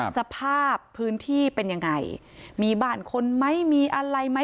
สภาพพื้นที่เป็นยังไงมีบ้านคนไหมมีอะไรไหม